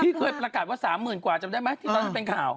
เคยประกาศว่า๓๐๐๐กว่าจำได้ไหมที่ตอนนั้นเป็นข่าว